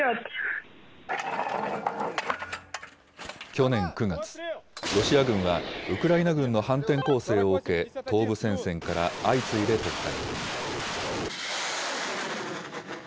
去年９月、ロシア軍はウクライナ軍の反転攻勢を受け、東部戦線から相次いで撤退。